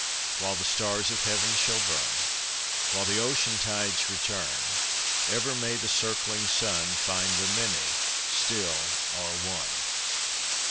While the stars of heaven shall burn, While the ocean tides return, Ever may the circling sun Find the Many still are One!